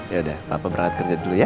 yaudah papa berangkat kerja dulu ya